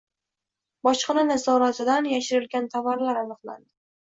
Bojxona nazoratidan yashirilgan tovarlar aniqlandi